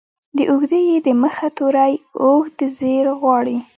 د اوږدې ې د مخه توری اوږدزير غواړي.